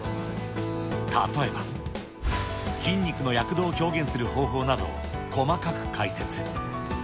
例えば、筋肉の躍動を表現する方法などを細かく解説。